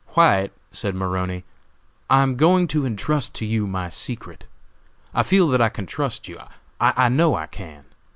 "White," said Maroney, "I am going to entrust to you my secret. I feel that I can trust you; I know I can.